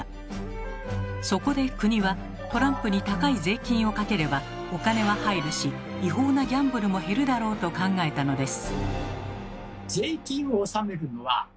そこで国はトランプに高い税金をかければお金は入るし違法なギャンブルも減るだろうと考えたのです。